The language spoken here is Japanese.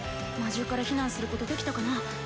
魔獣から避難することできたかな？